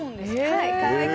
はい。